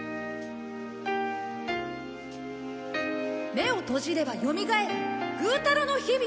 目を閉じればよみがえるグータラの日々。